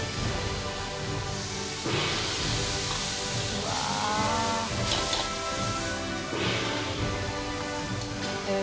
うわっ。